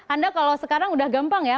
anda kalau sekarang udah gampang ya